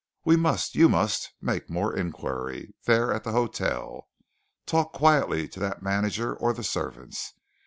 We must you must make more inquiry there at the hotel. Talk quietly to that manager or the servants.